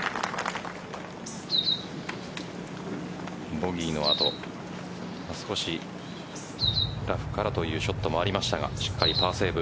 ボギーの後、少しラフからというショットもありましたがしっかりパーセーブ。